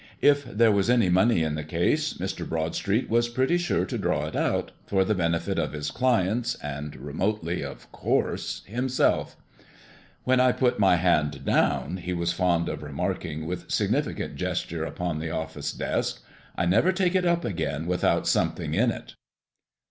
If there was any money in the case, Mr. Broadstreet was pretty sure to draw it out, for the benefit of his clients, and, remotely of course, himself. "When I put my hand down," he was fond of remarking, with significant gesture upon the office desk, "I never take it up again without something in it."